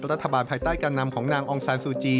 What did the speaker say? รัฐบาลภายใต้การนำของนางองซานซูจี